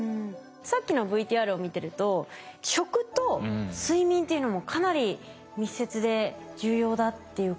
さっきのＶＴＲを見てると食と睡眠っていうのもかなり密接で重要だっていうことが分かりましたね。